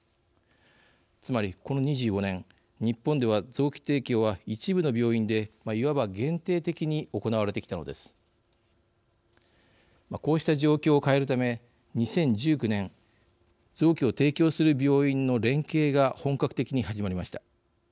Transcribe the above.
つまり、この２５年日本では臓器提供は一部の病院でいわば限定的に行われてきたのです。こうした状況を変えるため２０１９年、臓器を提供する病院の連携が本格的に始まりました。